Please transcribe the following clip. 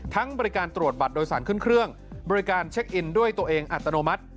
บริการตรวจบัตรโดยสารขึ้นเครื่องบริการเช็คอินด้วยตัวเองอัตโนมัติ